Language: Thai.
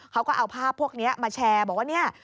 เขาก็เอาภาพพวกนี้มาแชร์บอกว่าเนี่ย